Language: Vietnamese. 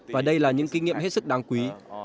và đây là những kinh nghiệm hết sức đáng quý